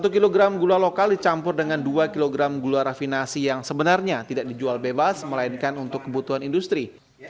satu kg gula lokal dicampur dengan dua kg gula rafinasi yang sebenarnya tidak dijual bebas melainkan untuk kebutuhan industri